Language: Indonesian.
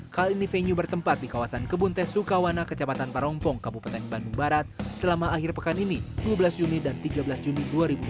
kali ini venue bertempat di kawasan kebun teh sukawana kecamatan parompong kabupaten bandung barat selama akhir pekan ini dua belas juni dan tiga belas juni dua ribu dua puluh